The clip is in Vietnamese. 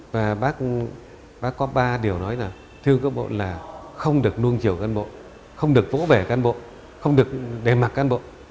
và bác có ba điều nói là thương các bộ là không được nuông chiều cán bộ không được vỗ vẻ cán bộ không được đề mặt cán bộ